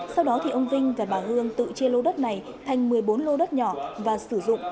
sau đó thì ông vinh và bà hương tự chia lô đất này thành một mươi bốn lô đất nhỏ và sử dụng